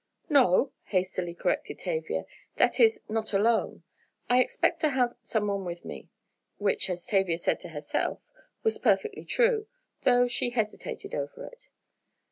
"No," hastily corrected Tavia, "that is, not alone. I expect to have—someone with me." Which, as Tavia said to herself, was perfectly true, though she hesitated over it.